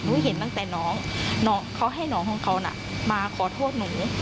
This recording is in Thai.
เห็นตั้งแต่น้องน้องเขาให้น้องของเขาน่ะมาขอโทษหนู